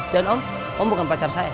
dan om om bukan pacar saya